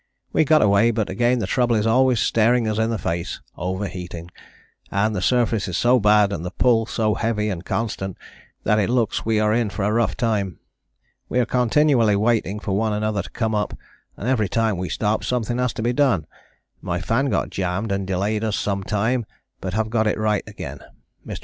We got away but again the trouble is always staring us in the face, overheating, and the surface is so bad and the pull so heavy and constant that it looks we are in for a rough time. We are continually waiting for one another to come up, and every time we stop something has to be done, my fan got jammed and delayed us some time, but have got it right again. Mr.